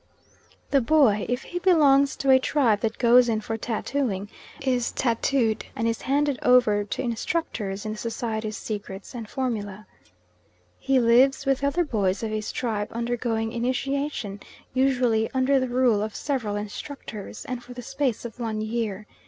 The boy, if he belongs to a tribe that goes in for tattooing, is tattooed, and is handed over to instructors in the societies' secrets and formula. He lives, with the other boys of his tribe undergoing initiation, usually under the rule of several instructors, and for the space of one year.